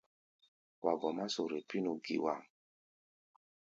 Wa gɔmá sore pínu giwaŋ.